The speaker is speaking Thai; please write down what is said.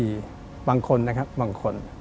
มีบางคนนะครับบางคน